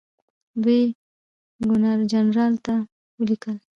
دوی ګورنرجنرال ته ولیکل.